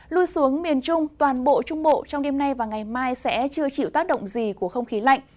lui xuống miền trung toàn bộ trung bộ trong đêm nay và ngày mai sẽ chưa chịu tác động gì của không khí lạnh